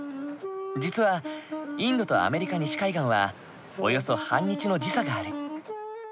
実はインドとアメリカ西海岸はおよそ半日の時差がある。